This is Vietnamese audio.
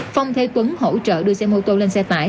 phong thê quấn hỗ trợ đưa xe mô tô lên xe tải